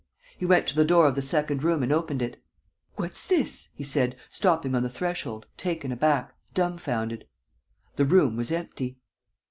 He went to the door of the second room and opened it: "What's this?" he said, stopping on the threshold, taken aback, dumfounded. The room was empty.